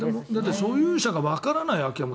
所有者がわからない空き家も